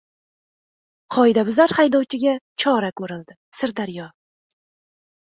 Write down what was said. Qoidabuzar haydovchiga chora ko‘rildi-Sirdaryo